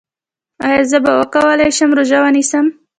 ایا زه به وکولی شم روژه ونیسم؟